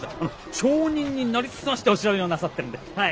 町人になりすましてお調べをなさってるんではい。